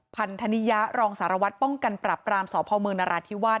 พันธนิยะรองสารวัตรป้องกันปรับปรามสพมนราธิวาส